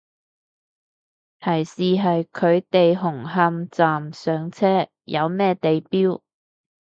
提示係佢哋紅磡站上車，有咩地標